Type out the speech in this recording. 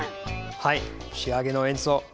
はい仕上げの演奏！